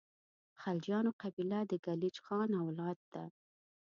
د خلجیانو قبیله د کلیج خان اولاد ده.